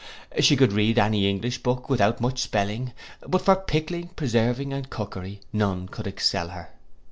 She could read any English book without much spelling, but for pickling, preserving, and cookery, none could excel her.